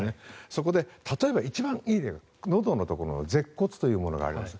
そこで例えば、一番いい例がのどのところの舌骨というものがあります。